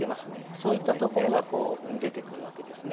そういったところがこう出てくるわけですね。